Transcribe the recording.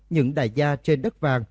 những đại gia trên đất vàng